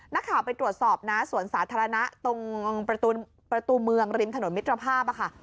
นักข่าวไปตรวจสอบนะสวนสาธารณะตรงประตูเมืองริมถนนมิตรภาพค่ะ